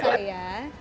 tidak terbiasa ya